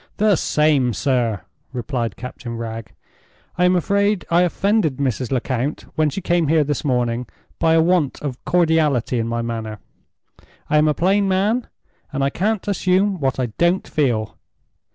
"The same, sir," replied Captain Wragge. "I am afraid I offended Mrs. Lecount, when she came here this morning, by a want of cordiality in my manner. I am a plain man, and I can't assume what I don't feel.